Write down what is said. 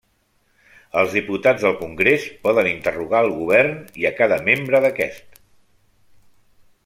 Els diputats del Congrés poden interrogar al Govern i a cada membre d'aquest.